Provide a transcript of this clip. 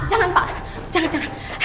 jangan pak jangan jangan